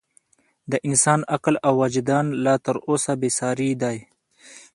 د انسان عقل او وجدان لا تر اوسه بې ساري دی.